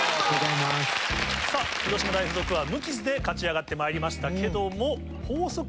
さぁ広島大附属は無傷で勝ち上がってまいりましたけど。